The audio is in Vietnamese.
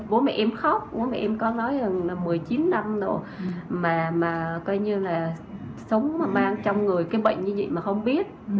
bố mẹ em khóc bố mẹ em có nói rằng là một mươi chín năm nữa mà coi như là sống mà mang trong người cái bệnh như vậy mà không biết